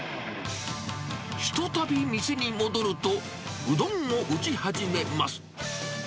ひとたび店に戻ると、うどんを打ち始めます。